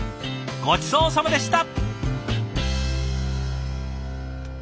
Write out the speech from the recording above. ごちそうさまでした！